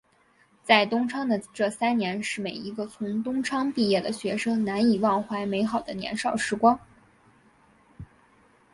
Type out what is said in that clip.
在东昌的这三年是每一个从东昌毕业的学生难以忘怀美好的年少时光。